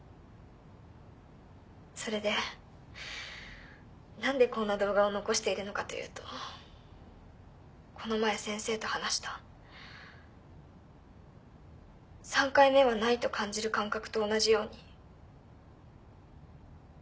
それで何でこんな動画を残しているのかというとこの前先生と話した３回目はないと感じる感覚と同じように。